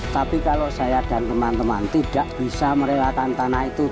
tapi kalau saya dan teman teman tidak bisa merelakan tanah itu